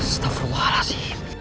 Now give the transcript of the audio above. stafur walah sini